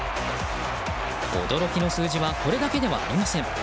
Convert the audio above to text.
驚きの数字はこれだけではありません。